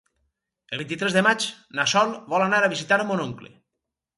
El vint-i-tres de maig na Sol vol anar a visitar mon oncle.